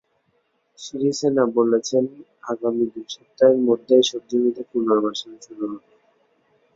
সিরিসেনা বলেছেন, আগামী দুই সপ্তাহের মধ্যে এসব জমিতে পুনর্বাসন শুরু হবে।